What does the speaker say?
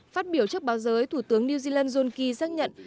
phát biểu trước báo giới thủ tướng new zealand john key xác nhận